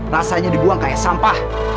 rasanya dibuang kayak sampah